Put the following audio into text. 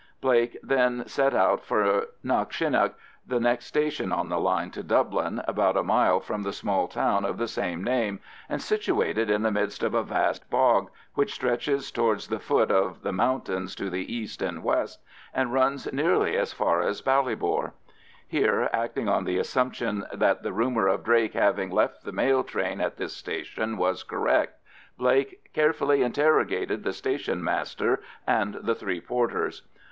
Blake then set out for Knockshinnagh, the next station on the line to Dublin, about a mile from the small town of the same name, and situated in the midst of a vast bog, which stretches towards the foot of the mountains to the east and west, and runs nearly as far as Ballybor. Here, acting on the assumption that the rumour of Drake having left the mail train at this station was correct, Blake carefully interrogated the station master and the three porters.